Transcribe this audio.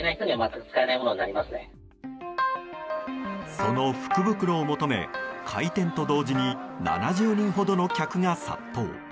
その福袋を求め、開店と同時に７０人ほどの客が殺到。